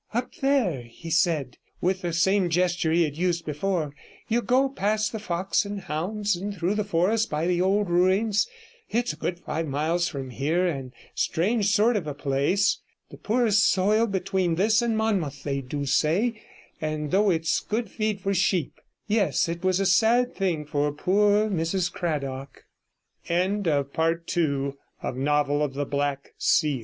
'Up there,' he said, with the same gesture he had used before; 'you go past the Fox and Hounds, and through the forest, by the old ruins. It's a good five mile from here, and a strange sort of a place. The poorest soil between this and Monmouth, they do say, though it's good feed for sheep. Yes, it was a sad thing for poor Mrs Cradock.' The old man turned to his work, and I strolled on d